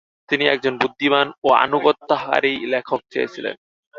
তিনি একজন বুদ্ধিমান ও আনুগত্যকারী লেখক চেয়েছিলেন।